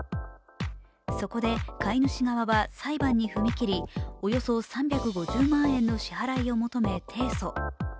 そこで飼い主側は裁判に踏み切り、およそ３５０万円の支払いを求め提訴。